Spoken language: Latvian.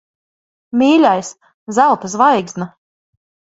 Mīļais! Zelta zvaigzne.